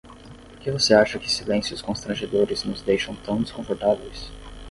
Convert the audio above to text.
Por que você acha que silêncios constrangedores nos deixam tão desconfortáveis?